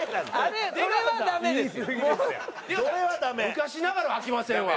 「昔ながら」はあきませんわ。